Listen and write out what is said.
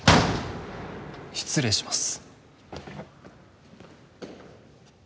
失礼します。